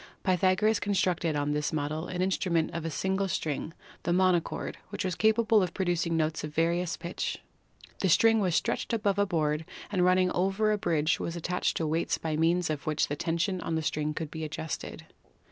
Pythagoras constructed on this model an instrument of a single string — the mono 116 SOUND 117 chord — which was capable of producing notes of various pitch. The string was stretched above a board, and run ning over a bridge was attached to weights by means of which the tension on the string could be adjusted.